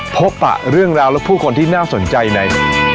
ปะเรื่องราวและผู้คนที่น่าสนใจใน